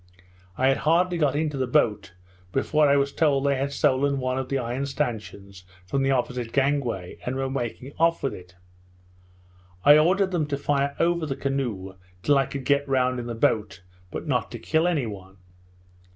I had hardly got into the boat, before I was told they had stolen one of the iron stanchions from the opposite gang way, and were making off with it. I ordered them to fire over the canoe till I could get round in the boat, but not to kill any one.